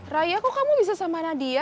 raya kok kamu bisa sama nadia